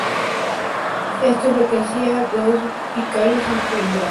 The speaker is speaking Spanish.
Esto era lo que hacían dos vicarios imperiales.